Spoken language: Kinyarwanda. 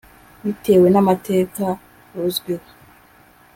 Bitewe n’amateka ruzwiho